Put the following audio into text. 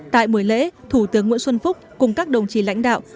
tại buổi lễ thủ tướng nguyễn xuân phúc cùng các đồng chí lãnh đạo